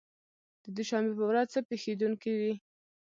د دوشنبې په ورځ څه پېښېدونکي دي؟